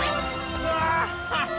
うわ！